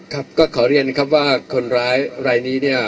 ครับก็ขอเรียนนะครับว่าคนร้ายรายนี้เนี่ย